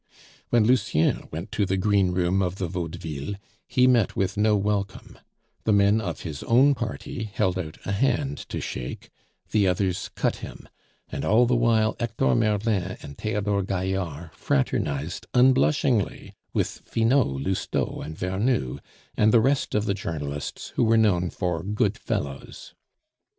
When Lucien went to the greenroom of the Vaudeville, he met with no welcome; the men of his own party held out a hand to shake, the others cut him; and all the while Hector Merlin and Theodore Gaillard fraternized unblushingly with Finot, Lousteau, and Vernou, and the rest of the journalists who were known for "good fellows."